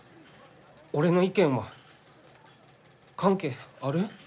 俺の意見は関係ある？